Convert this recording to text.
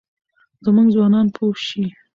زموږ ځوانان پوه شي.